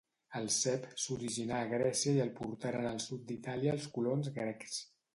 El cep s'originà a Grècia i el portaren al sud d'Itàlia els colons grecs.